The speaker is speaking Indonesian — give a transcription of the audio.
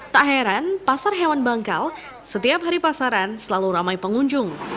tak heran pasar hewan bangkal setiap hari pasaran selalu ramai pengunjung